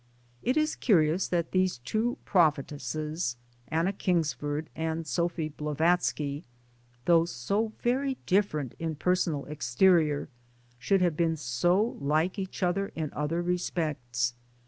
It is curious that those two prophetesses Anna Kings ford and Sophie Blavatsky though so very different in personal exterior should have been so like each other in many respects.